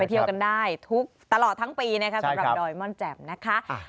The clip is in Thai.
เที่ยวกันได้ทุกตลอดทั้งปีนะคะสำหรับดอยม่อนแจ่มนะคะ